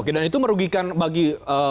oke dan itu merugikan bagi yang lain atau gimana